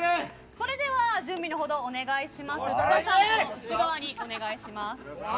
それでは準備のほどお願いします。